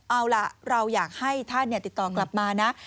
เอาล่ะเราอยากให้ท่านติดต่อกลับมานะ